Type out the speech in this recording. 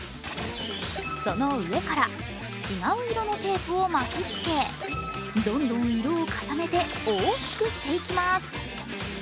その上から違う色のテープを巻きつけ、どんどん色を重ねて大きくしていきます。